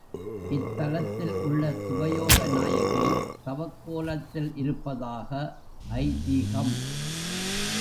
இத்தலத்தில் உள்ள சிவயோக நாயகி, தவக்கோலத்தில் இருப்பதாக ஐதீகம்.